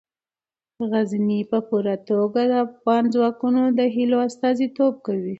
غزني په پوره توګه د افغان ځوانانو د هیلو استازیتوب کوي.